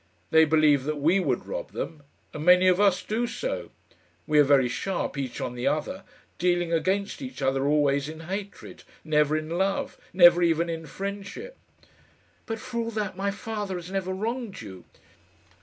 They believe that we would rob them, and many of us do so. We are very sharp, each on the other, dealing against each other always in hatred, never in love never even in friendship." "But, for all that, my father has never wronged you."